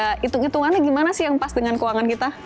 nah hitung hitungannya gimana sih yang pas dengan keuangan kita